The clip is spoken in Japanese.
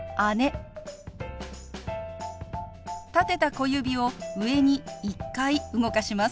立てた小指を上に１回動かします。